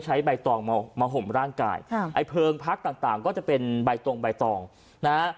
ใช้ใบตองมาห่มร่างกายไอ้เพลิงพักต่างก็จะเป็นใบตองนะฮะ